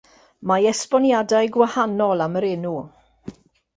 Mae esboniadau gwahanol am yr enw.